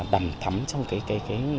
đầm thắm trong cái